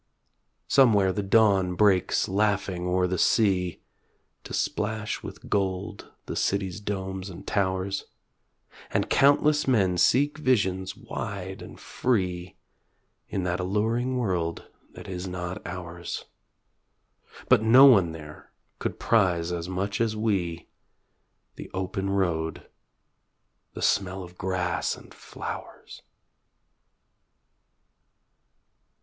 Somewhere the dawn breaks laughing o'er the sea To splash with gold the cities' domes and towers, And countless men seek visions wide and free, In that alluring world that is not ours; But no one there could prize as much as we The open road, the smell of grass and flowers.